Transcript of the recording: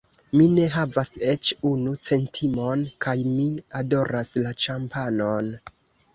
Mi ne havas eĉ unu centimon kaj mi adoras la ĉampanon.